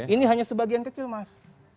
ini hanya sebagian kecil mas